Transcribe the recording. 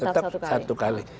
tetap satu kali